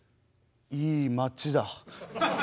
いい町だ。